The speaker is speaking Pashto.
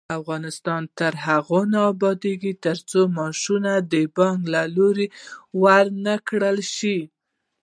افغانستان تر هغو نه ابادیږي، ترڅو معاشونه د بانک له لارې ورنکړل شي.